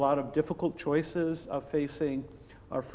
jadi ada banyak pilihan yang sulit untuk menghadapi